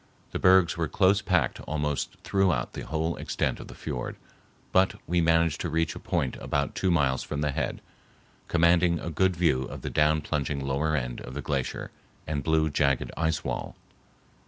The bergs were close packed almost throughout the whole extent of the fiord, but we managed to reach a point about two miles from the head—commanding a good view of the down plunging lower end of the glacier and blue, jagged ice wall.